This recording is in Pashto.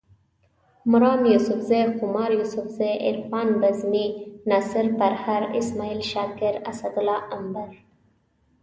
مرام یوسفزے، خمار یوسفزے، عرفان بزمي، ناصر پرهر، اسماعیل شاکر، اسدالله امبر